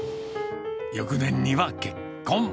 翌年には結婚。